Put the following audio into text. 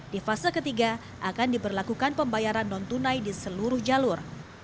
di fase ketiga akan diberlakukan pembayaran non tunai di seluruh jalur